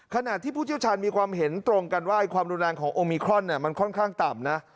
ขณะที่ผู้เชี่ยวชาญมีความเห็นตรงกันว่าความรุนแรงของโอมิครอนมันค่อนข้างต่ำนะ